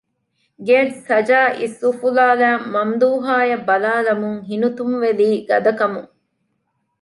ގެއަށް ސަޖާ އިސްއުފުލާލައި މަމްދޫހާއަށް ބަލާލަމުން ހިނިތުންވެލީ ގަދަކަމުން